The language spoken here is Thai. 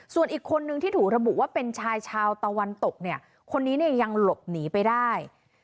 ส่วนอีกคนนึงที่ถูกระบุว่าเป็นชายชาวตะวันตกเนี่ยคนนี้เนี่ยยังหลบหนีไปได้